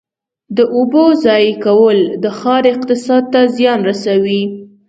د اوبو ضایع کول د ښار اقتصاد ته زیان رسوي.